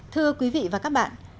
thưa quý vị và các bạn